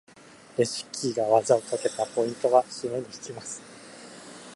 レシキが技をかけた！ポイントは？締めに行きます！